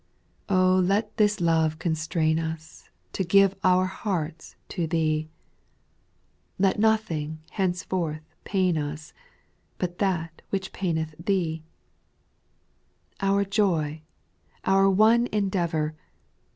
let this love constrain us To give our hearts to Thee ; Let nothing henceforth pain us, But that which paineth Thee ; Our joy, our one endeavour.